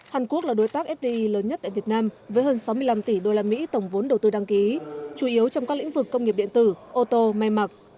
hàn quốc là đối tác fdi lớn nhất tại việt nam với hơn sáu mươi năm tỷ usd tổng vốn đầu tư đăng ký chủ yếu trong các lĩnh vực công nghiệp điện tử ô tô may mặc